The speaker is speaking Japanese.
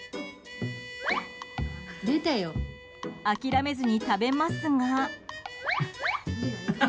諦めずに食べますが。